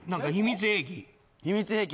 秘密兵器。